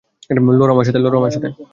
লড়ো আমার সাথে।